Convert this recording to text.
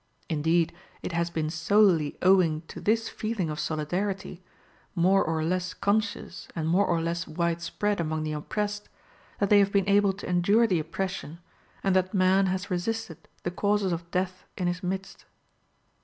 Indeed it has been solely owing to this feeling of solidarity, more or less conscious and more or less widespread among the oppressed, that they have been able to endure the oppression, and that man has resisted the causes of death in his midst.